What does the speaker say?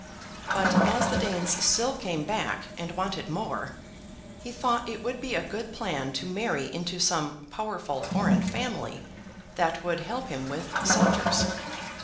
But, as the Danes still came back and wanted more, he thought it would be a good plan to marry into some powerful foreign family that would help him with soldiers.